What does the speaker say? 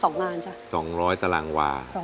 ๒งานจ๊ะ